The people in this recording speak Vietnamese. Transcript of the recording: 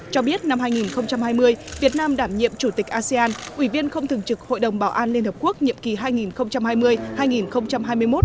cho biết năm hai nghìn hai mươi việt nam đảm nhiệm chủ tịch asean ủy viên không thường trực hội đồng bảo an liên hợp quốc nhiệm kỳ hai nghìn hai mươi hai nghìn hai mươi một